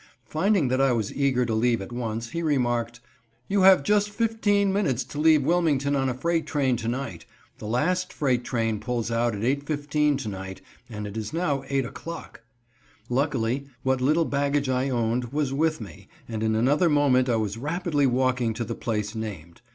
Finding that I was eager to leave at once, he remarked: "You have just about fifteen minutes to leave Wilmington on a freight train to night. The last freight train pulls out at 8:15 to night, and it is now 8 o'clock." Luckily what little baggage I owned was with me, and in another moment I was rapidly walking to the place named.